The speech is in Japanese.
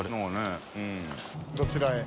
どちらへ？